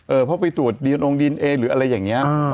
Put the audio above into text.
เออเพราะไปตรวจดินองดินเอหรืออะไรอย่างนี้